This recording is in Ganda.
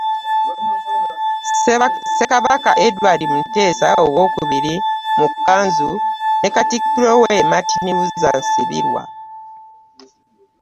Ssekabaka Edward Muteesa Owookubiri, mu kkanzu, ne Katikkiro we Martin Luther Nsibirwa.